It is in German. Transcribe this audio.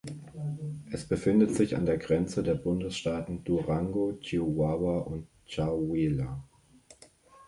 Es befindet sich an der Grenze der Bundesstaaten Durango, Chihuahua und Coahuila.